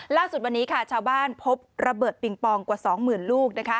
ล่าสุดวันนี้ค่ะชาวบ้านพบระเบิดปิงปองกว่า๒๐๐๐ลูก